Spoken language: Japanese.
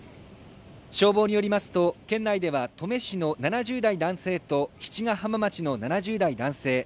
消防によりますと県内では登米市の７０代男性と七ヶ浜町の７０代男性